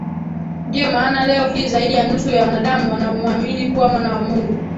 Ndiyo maana leo hii zaidi ya nusu ya wanadamu wanamuamini kuwa Mwana wa Mungu